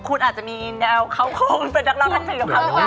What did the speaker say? คุณอาจจะมีแนวเขาคงเป็นนักร้องทั้งเพลงกับเขาด้วย